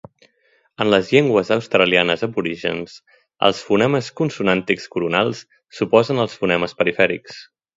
En les Llengües australianes aborígens els fonemes consonàntics coronals s'oposen als fonemes perifèrics.